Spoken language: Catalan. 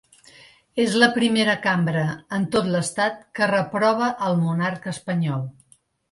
És la primera cambra en tot l’estat que reprova el monarca espanyol.